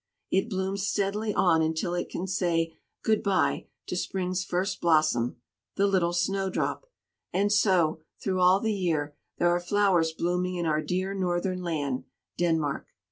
It blooms steadily on until it can say "Good day" to spring's first blossom the little snowdrop; and so, through all the year, there are flowers blooming in our dear Northern land, Denmark.